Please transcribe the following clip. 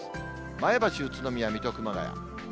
前橋、宇都宮、水戸、熊谷。